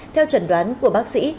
theo trần đoán của bác sĩ